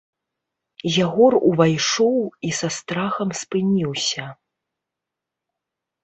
Ягор увайшоў і са страхам спыніўся.